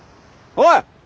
おい！